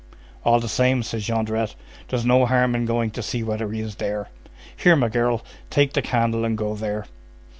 "All the same," said Jondrette, "there's no harm in going to see whether he is there. Here, my girl, take the candle and go there."